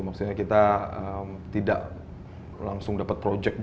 maksudnya kita tidak langsung dapat proyek besar